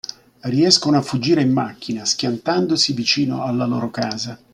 Riescono a fuggire in macchina, schiantandosi vicino alla loro casa.